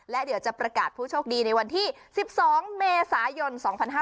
และเดี๋ยวจะประกาศผู้โชคดีในวันที่๑๒เมษายน๒๕๕๙